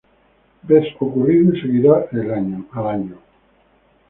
Vez ocurrido y seguirá al año.